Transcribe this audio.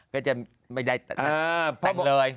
ก็จะไม่ได้เต้นเลย